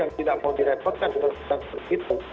yang tidak mau direpotkan kita harus bisa begitu